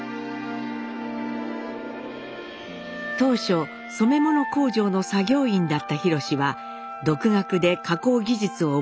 当初染め物工場の作業員だった廣は独学で加工技術を覚え